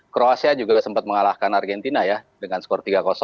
kroasia juga sempat mengalahkan argentina ya dengan skor tiga